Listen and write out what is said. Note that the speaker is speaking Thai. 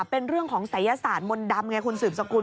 เป็นเรื่องของศัยศาสตร์มนต์ดำไงคุณสืบสกุล